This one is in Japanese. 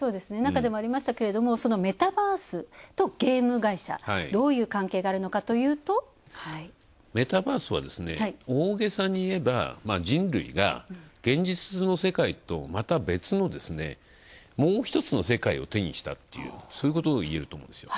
なかでもありましたけれど、メタバースとゲーム会社、どういう関係があるかというとメタバースはですね、大げさに言えば人類が現実の世界とまた別のもうひとつの世界を手にしたっていうそういうことをいえると。